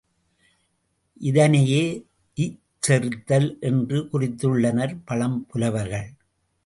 இதனையே இற்செறித்தல் என்று குறித்துள்ளனர், பழம்புலவர்கள்.